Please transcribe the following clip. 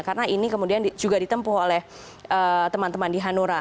karena ini kemudian juga ditempuh oleh teman teman di hanura